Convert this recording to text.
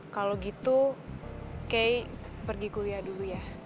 kalau gitu kay pergi kuliah dulu ya